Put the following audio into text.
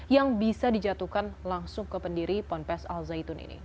yang bisa dijatuhkan langsung ke pendiri ponpes al zaitun ini